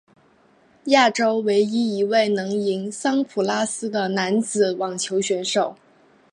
亚洲唯一一位能赢桑普拉斯的男子网球选手。